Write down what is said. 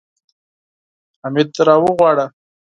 حميد راوغواړه.